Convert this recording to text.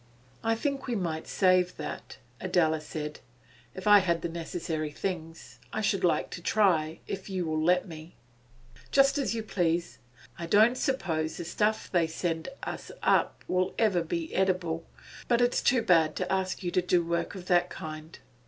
'I think we might save that,' Adela said. 'If I had the necessary things I should like to try, if you will let me.' 'Just as you please. I don't suppose the stuff they send us up will ever be very eatable. But it's too bad to ask you to do work of that kind.